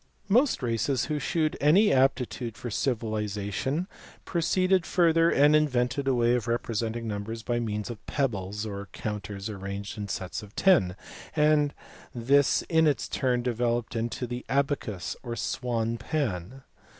Most races who shewed any aptitude for civilization pro ceeded further and invented a way of representing numbers by \ means of pebbles or counters arranged in sets of ten ; and this 1 in its turn developed into the abacus or swan pan.